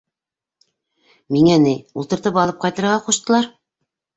Миңә, ней, ултыртып алып ҡайтырға ҡуштылар.